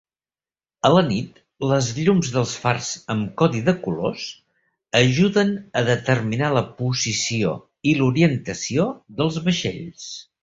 A la nit, les llums dels fars amb codi de colors ajuden a determinar la posició i l'orientació dels vaixells.